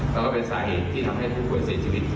แล้วก็เป็นสาเหตุที่ทำให้ผู้คนเสียชีวิต